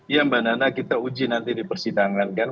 ya mbak nana kita uji nanti di persidangan kan